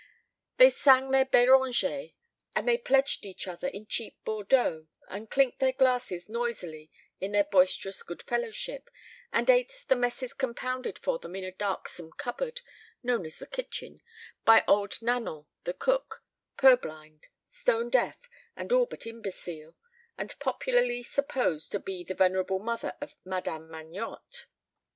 They sang their Béranger, and they pledged each other in cheap Bordeaux, and clinked their glasses noisily in their boisterous good fellowship, and ate the messes compounded for them in a darksome cupboard, known as the kitchen, by old Nanon the cook, purblind, stone deaf, and all but imbecile, and popularly supposed to be the venerable mother of Madame Magnotte.